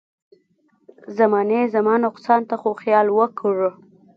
زمانې زما نقصان ته خو خیال وکړه.